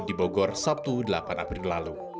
di bogor sabtu delapan april lalu